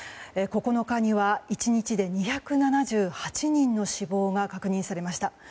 ９日には１日で２７８人の死亡が確認されました。